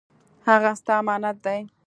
هغه ستا امانت دی